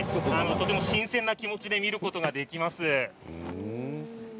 とても新鮮な気持ちで見ることができます。